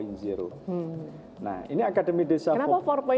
nah ini akademi desa empat kenapa empat